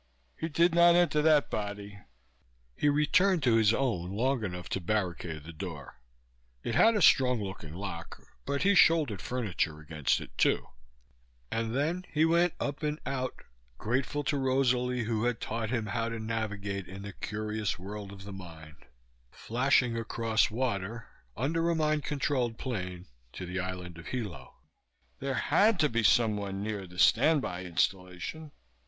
He did not enter that body. He returned to his own long enough to barricade the door it had a strong looking lock, but he shouldered furniture against it too and then he went up and out, grateful to Rosalie, who had taught him how to navigate in the curious world of the mind, flashing across water, under a mind controlled plane, to the island of Hilo. There had to be someone near the standby installation.